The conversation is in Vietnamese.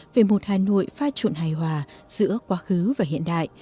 về một hà nội pha trộn hài hòa giữa quá khứ và hiện đại